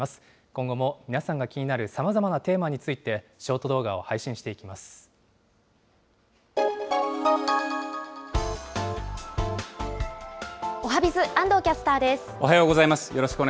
今後も皆さんが気になるさまざまなテーマについて、ショート動画おはＢｉｚ、安藤キャスターおはようございます。